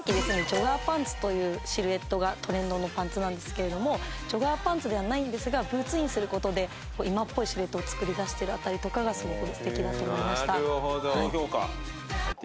ジョガーパンツというシルエットがトレンドのパンツなんですけれどもジョガーパンツではないんですがブーツインする事で今っぽいシルエットを作り出してる辺りとかがすごく素敵だと思いました。